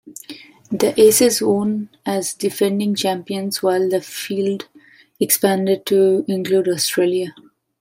The Aces won as defending champions while the field expanded to include Australia.